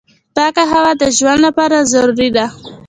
پاکه هوا د ژوند لپاره ضروري ده.